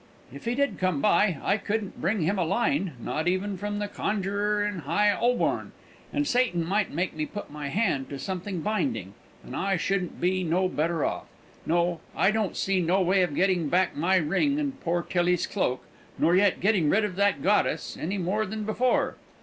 "If he did come by, I couldn't bring him a line not even from the conjuror in High 'Oborn and Satan might make me put my hand to something binding, and I shouldn't be no better off. No; I don't see no way of getting back my ring and poor Tillie's cloak, nor yet getting rid of that goddess, any more than before.